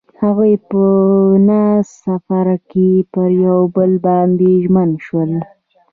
هغوی په نازک سفر کې پر بل باندې ژمن شول.